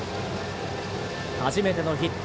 初めてのヒット。